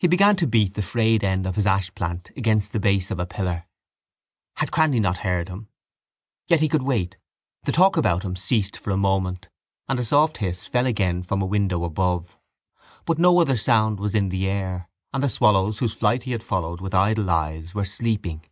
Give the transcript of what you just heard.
He began to beat the frayed end of his ashplant against the base of a pillar. Had Cranly not heard him? Yet he could wait. The talk about him ceased for a moment and a soft hiss fell again from a window above. But no other sound was in the air and the swallows whose flight he had followed with idle eyes were sleeping.